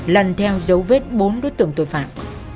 lần theo dấu vết bốn đối tượng tội phạm